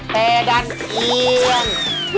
แต่ดันเอียง